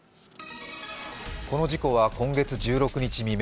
この事故は今月１６日未明